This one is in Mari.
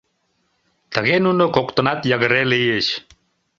Тыге нуно коктынат йыгыре лийыч.